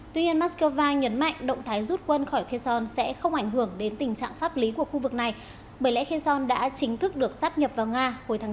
tuy nhiên moscow nhấn mạnh động thái rút quân khỏi kiezon sẽ không ảnh hưởng đến tình trạng pháp lý của khu vực này bởi lẽ khinson đã chính thức được sắp nhập vào nga hồi tháng bốn